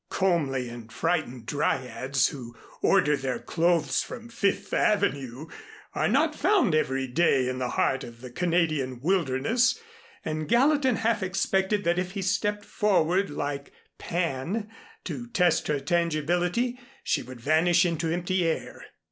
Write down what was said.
Comely and frightened Dryads who order their clothes from Fifth Avenue, are not found every day in the heart of the Canadian wilderness; and Gallatin half expected that if he stepped forward like Pan to test her tangibility, she would vanish into empty air.